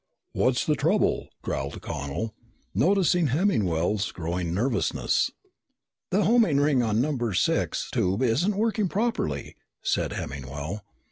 "What's the trouble?" growled Connel, noticing Hemmingwell's growing nervousness. "The homing ring on number six tube isn't working properly," replied Hemmingwell.